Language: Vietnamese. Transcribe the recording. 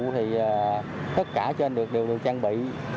thì tất cả trên đều được trang bị